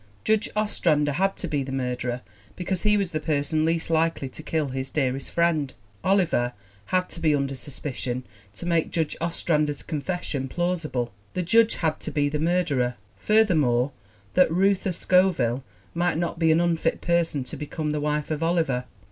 Judge Ostrander had to be the murderer because he was the person least likely to kill his dearest friend. Oliver had to be under sus ANNA KATHARINE GREEN 211 picion to make Judge Ostrander's confession plausible. The Judge had to be the murderer, furthermore, that Reuther Scoville might not be an unfit person to be come the wife of Oliver.